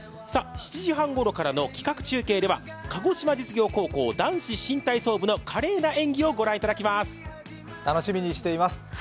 ７時半頃からの企画中継では鹿児島実業高校男子新体操部の華麗な演技をご覧いただきます。